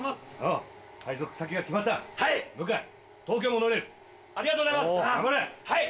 ありがとうございますはい！